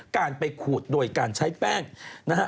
การไปขูดโดยการใช้แป้งนะฮะ